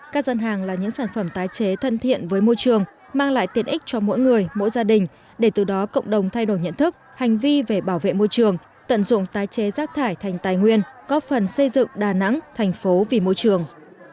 các dân hàng là những sản phẩm tái chế thân thiện với môi trường mang lại tiện ích cho mỗi người mỗi gia đình để từ đó cộng đồng thay đổi nhận thức hành vi về bảo vệ môi trường tận dụng tái chế rác thải thành tài nguyên góp phần xây dựng đà nẵng thành phố vì môi trường